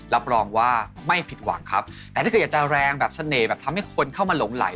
รับรองว่าไม่ผิดหวังครับแต่ถ้าเกิดอยากจะแรงแบบเสน่ห์แบบทำให้คนเข้ามาหลงไหล